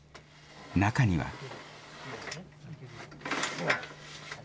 中には。